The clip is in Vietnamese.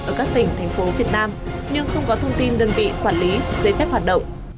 ở các tỉnh thành phố việt nam nhưng không có thông tin đơn vị quản lý giấy phép hoạt động